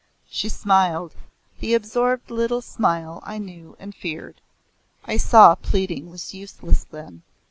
She smiled, the absorbed little smile I knew and feared. I saw pleading was useless then.